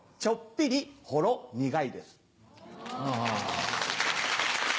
ちょっぴりほろ苦いです。